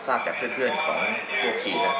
ทราบจากเพื่อนของพวกขี่นะครับ